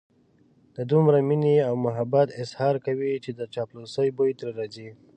د دومره مينې او محبت اظهار کوي چې د چاپلوسۍ بوی ترې راځي.